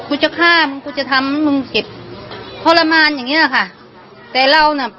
จะฆ่ามึงกูจะทำมึงเจ็บทรมานอย่างเงี้ยค่ะแต่เราน่ะ